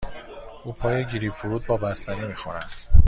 او پای گریپ فروت با بستنی می خورد.